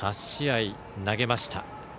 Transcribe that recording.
８試合投げました。